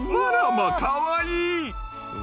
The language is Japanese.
あらまかわいい。